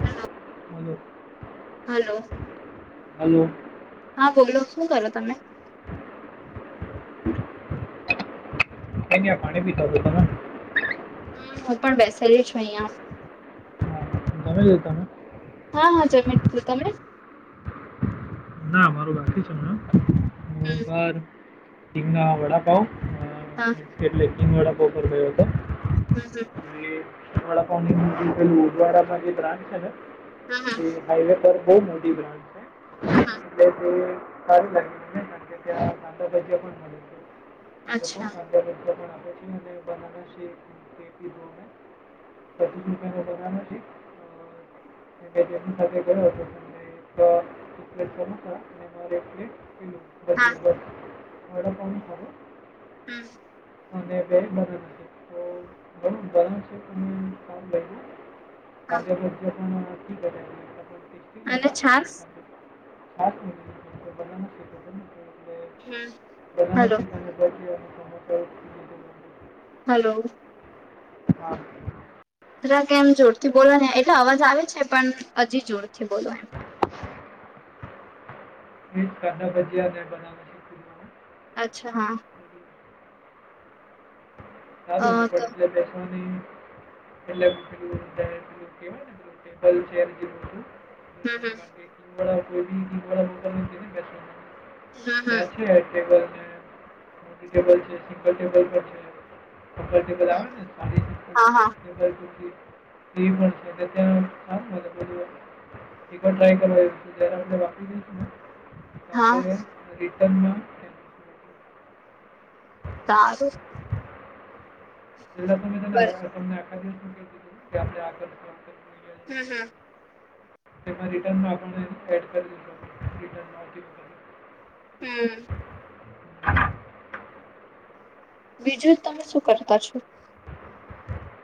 Hello. હ. Hello. Hello. હા બોલો શું કરો તમે ખાઈ પાણી પી થ તને હ હું પણ બેસેલી છું અહિયાં તમે તમે જતા હા હા જયમન્ટો તમે ના મારું બાકી છે હમ હંગ વડાપાવ હા કેલેસ્ટલે ક વળા ઓફર ગયો હતો હમ હમ વડાવા ભ બ્રાન્ચ છે ને હમ હમ હાઈવે પર બહુ મોટી ભ્ર હમ હા એટલે સારું લાગેને કારણ કે ત્યાં સાંધા ભજીયા પણ લોકો હમ અચ્છા છે [unintelligible] પચીસ રૂપિયા ન બના છે બેઓ થજ તો ર અને પ્લેટ હા પ બ ઓર્ડર થું હમ અને બે બના તો બ બના છે પણ કામ લ હા કાગે પ અને છાસ ખાસ શ હમ હલો બધ ચીકી હલો હા રા કે એમ જોરથી બોલો ને એટલે અવાજ આવે છે પણ હજી જોરથી બોલો એમ ના બજ બના અચ્છા હા અ તો ચારો પડટલે દસોની એ વ [unintelligible] હમ હમ કોઈ હમ હમ ત્યાં છે ટેબલ છે મોટી ટેબલ છે સિંગલ ટેબલ પર છે બ ને તે પણશે હા હા પ એક વાર આપ વારી હા આપટ હ [unintelligible] સારું બર એટ તમને આિવસીધું [unintelligible] હમ હમ રટન આપ કરી [unintelligible] હમ બીજું તમે શું કરતા છો.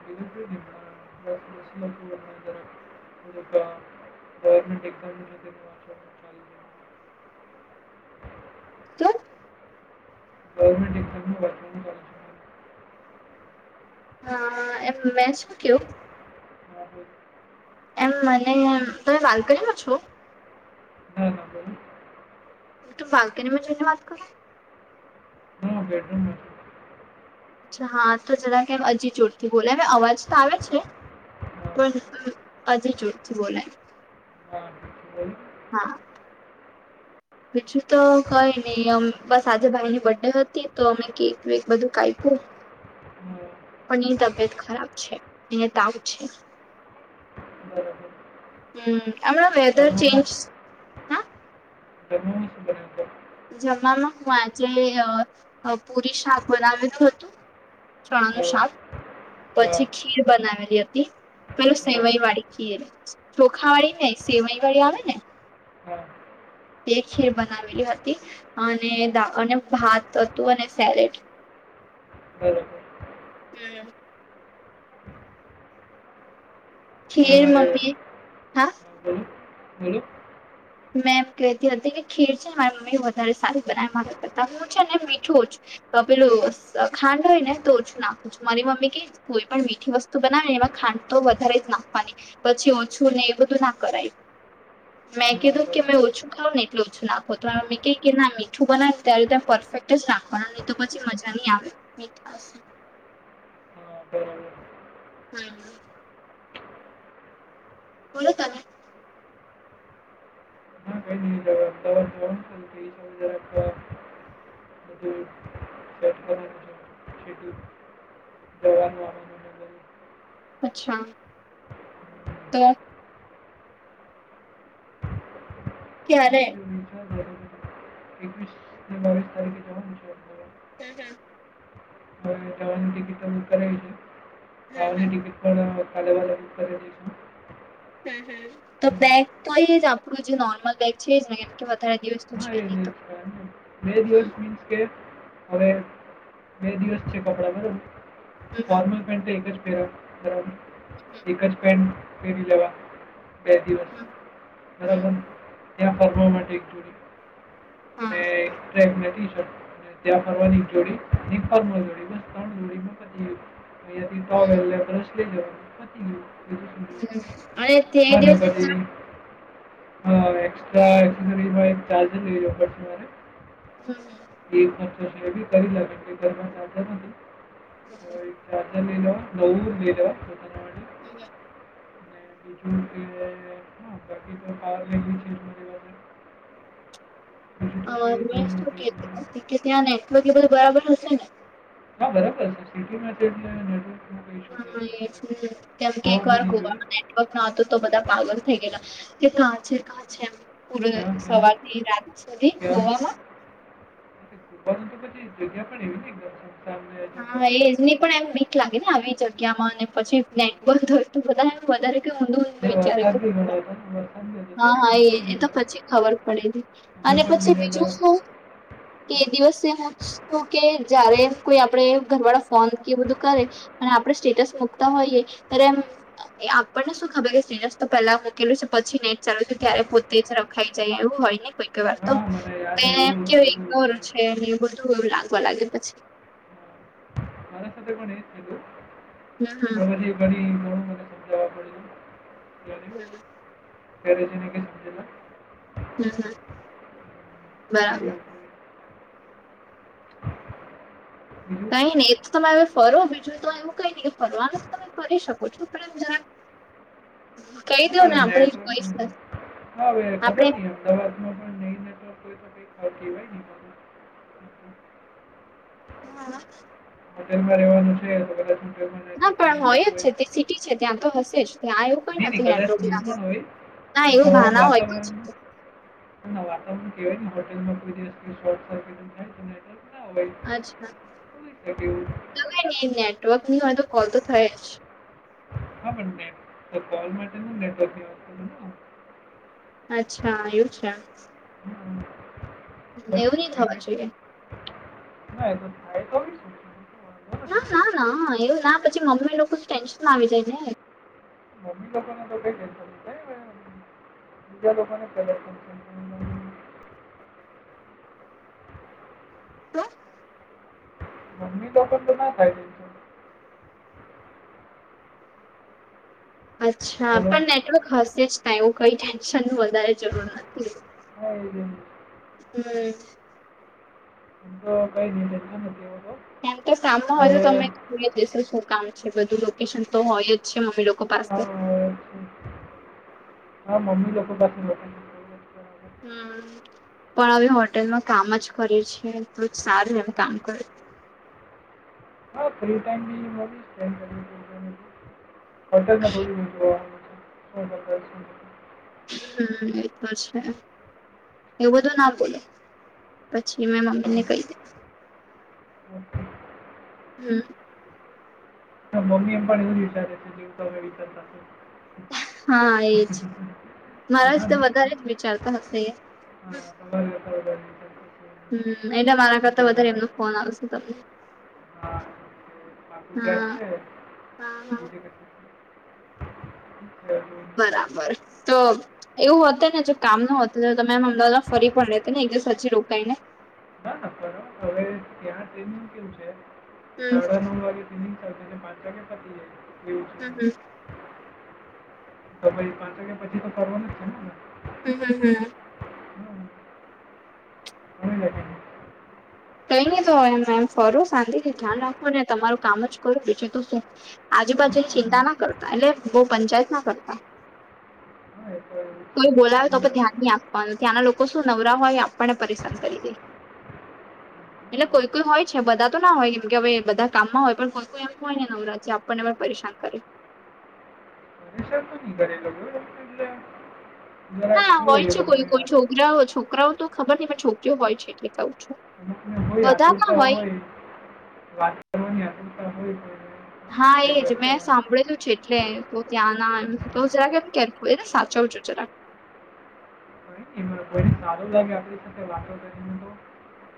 એ ગવર્મેન્ટ એક ક તો ગવર્મેન્ટ ધ હા એમ મેં શું કહું હ [unintelligible] એમ મને એમે તમે બાલ્કનીમાં છો. હ [unintelligible] તો બાલ્કનીમાં જ‌ઈને વાત કરો. હા બેડરૂમમાં છે અચ્છા હા તો જરા કેમ હજી જોર થી બોલે અવાજ તો આવે છે. ના પણ અજી જોર થી બોલાય. હા બોલ હા બીજું તો કઈ નહી અમ બસ આજે ભાઈ ની બર્ડે હતી તો અમે કેક વેક બધું કાયપુ. ના પણ એની તબિયત ખરાબ છે એને તાવ છે. બરોબર હમ હમણા વેદર ચેન્જ હા જમ શ બ [unintelligible] જવામાં હું આજે અ પુરી શાક બનાવેલું હતું ચણા નુ અ, શાક. હા પછી હા ખીર બનાવેલી હતી પેલું સેવઈ વાળી ખીર ચોખા હા વાળી ન‌ઈ સેવાઈ વાળી આવે ને હા તે ખીર બનાવેલી હતી અને હા અને ભાત હતું અને સેલેડ બરાબર હમ હવે ખીર મારે મમ્મી હા બોલો બોલો મે એમ કહેતી હતી કે ખીર છે ને મારી મમ્મી વધારે સારી બનાએ મામી કરતા હું છે ને મીઠું જ પેલું ખાંડ હોય ને તો ઓછું નાખું મારી મમ્મી કે કોઈ પણ મીઠી વસ્તુ બનાવે એમાં ખાંડ તો વધારે જ નાખવાની પછી ઓછું ને એ બધું ના કરાય મે હા કીધું કે બરાબર મેમે ઓછું ખાવ ને એટલે ઓછું ના ખાવ તમે કહી કે ના આ મીઠું બનાવ ત્યારે ત્યા પરફેક્ટ શકવા નહી તો પછી મજા નહી આવે મીઠા હા બરાબર હા હા બોલો તમે [inaudible] વાનું [unintelligible] અચ્છા તો હમ. ક્યારે એ જ એકવીસ ને બાવીસ તારીખે જવાનું છે અમદાવાદ. હું હું અમે અમદાવાદની ટિકિટ કરાવી લીધી હમ હમ પણ [inaudible] ખાલેવા ર [unintelligible] હ તો બેગ તો આય આપણું જે નોર્મલ બેગ છે જ ને કેમકે વધારે દિવસ છે નહી તો હ [unintelligible] બે દિવસ મીન્સ કે હવે બે દિવસ છે કપડા બરાબર ફોર્મલ પેન્ટ એક જ પેરા બરાબ એક જ પેન્ટ પે પરી લેવા બે દિવસ બરાબર ત્યાં ફરવા માટે એક જોડ હા ને ને એક બે ટીશર્ટ ત્યાં ફરવાની જોડી ફડી [inaudible] ત્રણ જોડી ને યદી ટોવેલ ને બ્રશ લઈ જવાનું અને તે દિવસે અ હનબી [unintelligible] હ એક્સ્ટ્રા એરી ચાર્જરે હમ એ બી કરી લે ઘર [unintelligible] અ નવ લવા ત [unintelligible] હમ [inaudible] બીજું [unintelligible] બીજું હ તો કંઈ મેં જરૂર શું નથી એટલી બધી. કેતી કે ત્યાં ને કે બધું બરાબર હશે ને [unintelligible] હા બરાબર છે સિટી મેડનેટવર્ક હા એ કેમ કે એક બી વાર નહીં જોઈએ. ગોવાવામાં ક ના હતું તો બધા પાગલ થઈ ગયે કે કાં છે કાં છે એમ પૂરે ક્યાં ક્યાં સવાર થી રાત સુધી ગોવામાં તો પછી જગ્યા પણ એવી થઈ ગયા છે. હા એજ નની પણ એમ લાગે ને આવી જગ્યામાં અને પછી નેટ બંધ થય તો બધા વધારે કઈ ઊંધું ઊંધું વા વિચારે સારી ગણ હા હા એ એ તો પછી ખબર પડે હતી અમે અને પણ પછી બીજું ભીનેલા શું કે દિવસે હું કે જયારે કોઈ આપડણે ઘર વાળા ફોન કે બધું કરે અને આપણે સ્ટેટસ મકતા હોઈએ ત્યારે એમ એ આપણને શું ખબર કે સિનસ તો પહેલા મૂકેલું છે પછી ને ચાલ છ ત્યારે પોતે જ રખાઈ જાય એવું હોય ને કોઈ કઈ વાર તો હા મને યાદ એમ એવું કેય થયેલું ગર મારી છે સાથે એ બધું હા, એવું લાગવા લાગે પછી સાથે પણ હમ આરી ઘડી જવા પ હમ ક્યારેજીને ક સમજેલા હમ હમ કાંઈ બરાબર એવું નહીં. બીજું કઈ નહી તો તમે હવે ફરો બીજું તો એમું કઈ નહી કે ફરવા તો તમે ફરી શકો છો પણ એમ જ હ પણ કઈ હા હવે ખબર આપણે નહી અમદાવાદમાં પણ નહી નેટવર્ક કોઈ તોઈતીવાય ન હા હોટેલમાં રવાનું છેલમાં ન હા પણ આવતું જ હોય છે તે છે સિટી ત્યાં તો હશે જ ત્યાં એવું કઈ નહીં નહીં કદાચ નહીં નથીલા પણ હોય એ ના એવું હવા ભાના હોયછ વાતાવરણ ના વાતાવરણ કેવાય ને હોટેલમાં કોઈ દિવર્ટ સિટ થ ના અચ્છા ભાઈું કઈ નઈ નેટવર્ક ની હોય તો કોલ તો થાય જ હા પણને કોલ માટે નેટવર્ક કરું અચ્છા એું છે હમ એવું નહ થવા જોઈએ ના થાય તો બી શું છે? એ તો ના વાંધો ના ના એવું ના પછી મમ્મી લોકો ટેન્શન માં આવી જાય ને મમ્મી લોકોને તો કઈ કેન્ બીજા લોકો ને પેલાન્ હા મમ્મી તો પણ તો ના થાય અચ્છા હેલો પણ નેટવર્ક હશે જ ના એવું કઈ ટેન્શન ન વધારે જરૂર નથી હો હ હમ હ તો કઈ દ નથી તો એમ તો કામ ન હવે હોય તો તમે જોઈ જશો શું કામ છે બધું લોકેશન તો હોય જ અ મમ્ી લોકો પાસેસે હા, છે. હા મમ્મી લોકો પાસે હમ પણ હવે હોટેલમાં કામ જ કરે છેીએ તો સારું એમ કામ કરે હા ફ્રી ટાઈમ બપેન્ હોટેલમાં થોડી જોવાનું હમ એતો છે એવું બધું ના બોલે પછી મેં મમ્મી ને કહી હમ હમ મમ્મી અમ્પાને શ વિચારે છે જેવ તો હમે વિચારતા હા એજ કે મારા હા વિ ને વધારે જ વિચારતા હશે એ [inaudible] હમ એલે મારા શું કરતા કરીએ વધારે હવે? એમનો ફોન આવશે તમને હા બાપુત હા છે હા હા બીજ ક અચા બરાબર તો એવું હતું ને જો કામ ન હતું તો તમેમ અમદાવાદમાં ફરી પણ લેતે ને એકદ સાજી રોકાઈને ના ના હવે ત્યાં ટ્રેન નું કેવું છે હમ સાડા નવ વાગે સ્મિને પાત્ર કે પતી જ એવું હમ છે હમ તો ભાઈ પાંચ વાગ્યા પછી તો ફનું છે ને હમ હમ હમ હમ મ લ કઈ નહી તો હોય એ એમ ફર શાંતિથી ધ્યાન રાખો ને તમારું કામ જ કરો બીજું તો શું આજુબાજુની હમ. ચિંતા ના કરતા એટલે બહ પંચાયત ના કરતા [inaudible] કોઈ બોલાવે તો પણ છે. હમ. ધ્યાન નહી આપવાનું ત્યાંના લોકો શું નવરા હોય એ આપણને પરેશાન કરી દે એટલે કોઈ કોઈ હોય છે બધા તો ના હોય કેમ કેવે બધા કામમાં હોય પણ કોઈ કોઈ એમ હોય ને નવરાત પરેશાન કરે સર તો કર જરા ખ એ રા છોકરાઓ તો ખબર ન પણ છોકરીઓ હોય છે કે કઉ છું અમુકને બધા ના આતુરતા હોય વાત કરવાની આતુરતા હોય હા ઠીક છે એજ કરી મેં લેવાનું સાંભળેલું છે એટલે તો ત્યાં ના એમ તો જરાકમ કેમ એને સાચવું છું જરાક સારું લાગે આપ સાથે વાતો કરીને તો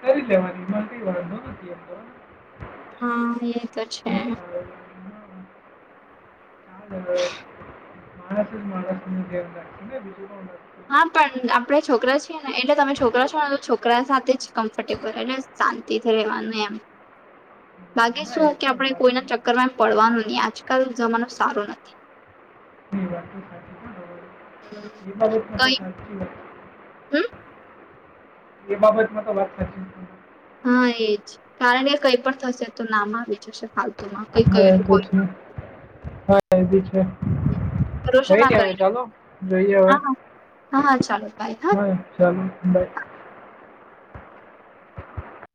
તરી લવારી માં કઈ વાર નો નથી હતી હા એ એ [inaudible] હમ ચ માણસ જ માણસ છે બીજવ હા પણ આપડે છોકરા છીએ ને એટલે તમે છોકરા છો ને છોકરા ોક સાથે જ કમ્ફર્ટેબલ ને શાંતિથી રહેવાનું એમ બાકીે ના એ શું કે પણ આપણે વાત છે કોઈના ચક્કર માં એમ પડવાનું નહી આજકાલ જમાનો સારો નથી વા એ બાબત માટે સાચી કીધી. હમ્મ. એ બાબતમાં તો વાત સાચી હા એજ કારણ કે કઈ પણ થશે તો નામ આવી જશે ખ હા એ તો છે હા એ બી છે ભરોસો કઈ ના નહ આવે કરી ચાલો જોઈએ હવે હા હા હા હા ચાલો બાય હા હ ચાલોાઈ